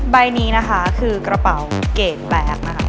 ใบนี้นะคะคือกระเป๋าเกรดแบ็คนะคะ